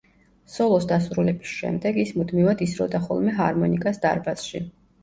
სოლოს დასრულების შემდეგ, ის მუდმივად ისროდა ხოლმე ჰარმონიკას დარბაზში.